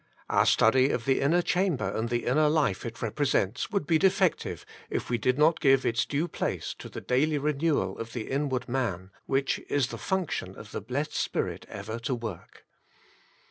Our study of the inner chamber and the inner life it represents, would be defective if we did not give its due place to the daily re newal of the inward man, which it is the function of the blessed Spirit ever to work.